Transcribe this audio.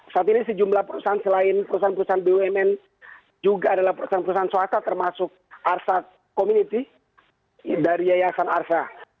saat ini sejumlah perusahaan selain perusahaan perusahaan bumn juga adalah perusahaan perusahaan swasta termasuk arsa community dari yayasan arsa